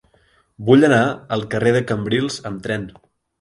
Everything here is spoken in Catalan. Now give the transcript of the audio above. Vull anar al carrer de Cambrils amb tren.